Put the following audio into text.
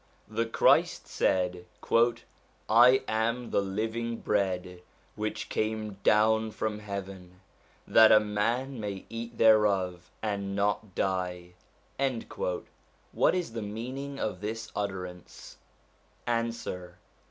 The Christ said: ' I am the living bread which came down from heaven, that a man may eat thereof and not die/ What is the meaning of this utterance ? Answer.